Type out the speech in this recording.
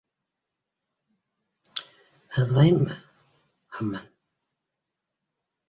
— Һыҙлаймы һаман?